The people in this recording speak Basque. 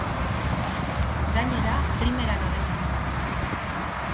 Gainera, primeran abesten du.